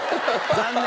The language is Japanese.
残念。